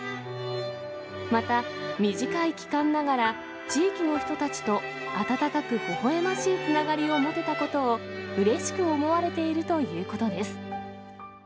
また、短い期間ながら、地域の人たちと温かくほほえましいつながりを持てたことを、うれしく思われているということです。